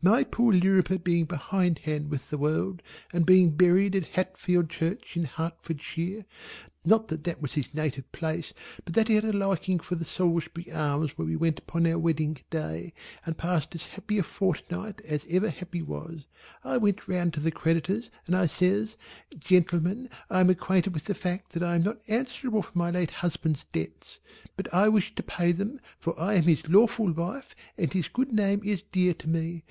My poor Lirriper being behindhand with the world and being buried at Hatfield church in Hertfordshire, not that it was his native place but that he had a liking for the Salisbury Arms where we went upon our wedding day and passed as happy a fortnight as ever happy was, I went round to the creditors and I says "Gentlemen I am acquainted with the fact that I am not answerable for my late husband's debts but I wish to pay them for I am his lawful wife and his good name is dear to me.